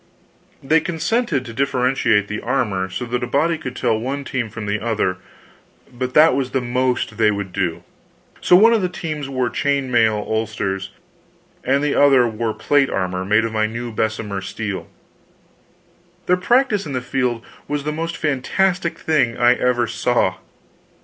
They consented to differentiate the armor so that a body could tell one team from the other, but that was the most they would do. So, one of the teams wore chain mail ulsters, and the other wore plate armor made of my new Bessemer steel. Their practice in the field was the most fantastic thing I ever saw.